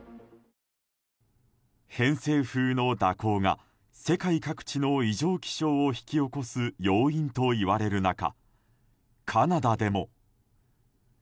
偏西風の蛇行が世界各地の異常気象を引き起こす要因といわれる中カナダでも。